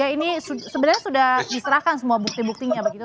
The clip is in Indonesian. ini sebenarnya sudah diserahkan semua bukti buktinya begitu